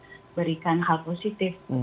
nah seperti itu yang kami coba lihat di dalam video ini